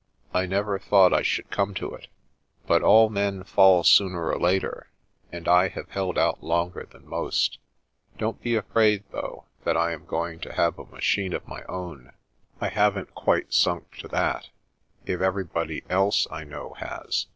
" I never thought I should come to it But all men fall sooner or later, and I have held out longer than most. Don't be afraid, though, that I am going to have a machine of my own : I haven't quite suiJc to that ; if everybody else I know has.